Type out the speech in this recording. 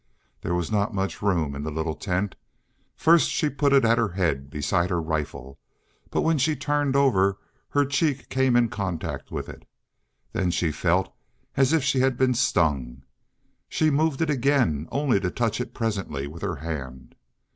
There was not much room in the little tent. First she put it at her head beside her rifle, but when she turned over her cheek came in contact with it. Then she felt as if she had been stung. She moved it again, only to touch it presently with her hand.